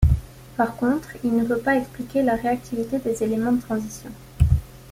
Par contre, il ne peut pas expliquer la réactivité des éléments de transition.